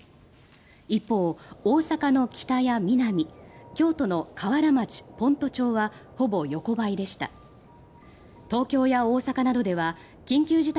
一方、大阪のキタやミナミ京都の河原町・先斗町はほぼ横ばいでした。